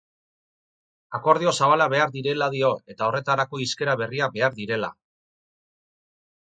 Akordio zabalak behar direla dio eta horretarako hizkera berriak behar direla.